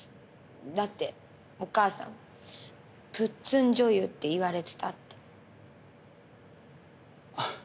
だってお母さんプッツン女優っていわれてたって。